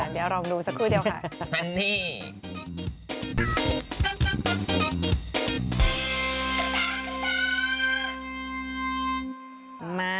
เดี๋ยวลองดูสักครู่เดียวค่ะ